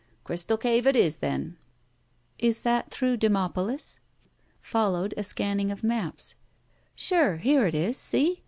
"Crystal Cave it is, then." "Is that through Demopolis?" Followed a scanning of maps. "Sure! Here it is! See!